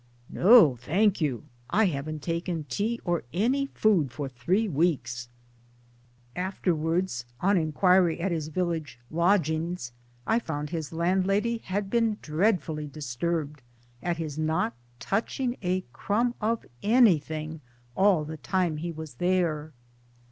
No, thank you, I haven't taken tea or any food for three weeks." [Afterwards on inquiry at his village lodgings I found his landlady had been dreadfully disturbed at his not touching a crumb of anything all the time he was there.